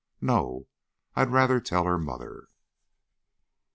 No. I'd rather tell her mother."